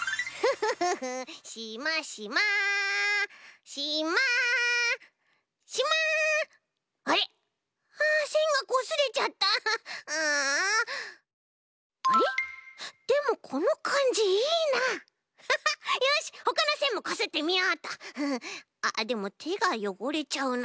フフッあっでもてがよごれちゃうな。